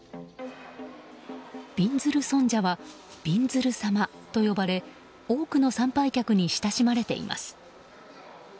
びんずる尊者はびんずる様と呼ばれ多くの参拝客に親しまれています。